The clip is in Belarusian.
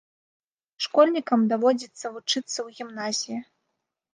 Школьнікам даводзіцца вучыцца ў гімназіі.